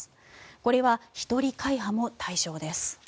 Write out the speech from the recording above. これは一人会派も対象です。